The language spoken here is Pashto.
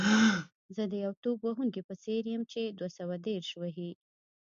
زه د یو توپ وهونکي په څېر یم چې دوه سوه دېرش وهي.